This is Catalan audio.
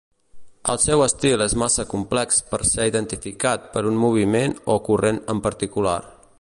El seu estil és massa complex per ser identificat per un moviment o corrent en particular.